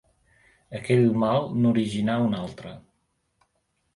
Aquell mal n'originà un altre.